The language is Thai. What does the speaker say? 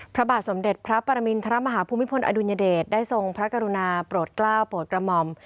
พระบาทสมเด็จพระปรมินทรมาฮาภูมิพลอดุญเดชได้ทรงพระกรุณาโปรดกล้าวโปรดกระหม่อม